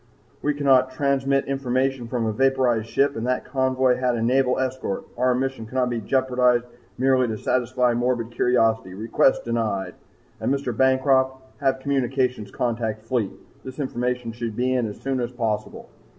We cannot transmit information from a vaporized ship, and that convoy had a naval escort. Our mission cannot be jeopardized merely to satisfy morbid curiosity. Request denied. And, Mr. Bancroft, have Communications contact Fleet. This information should be in as soon as possible.'